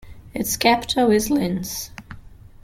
Its capital is Linz.